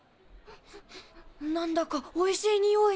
なんだかおいしいにおい。